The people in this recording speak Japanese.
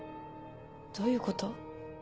どういうこと？